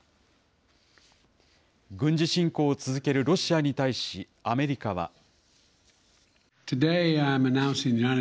軍事侵攻を続けるロシアに対しアメリカは。